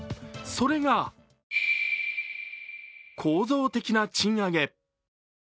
それが構造的な賃上げ。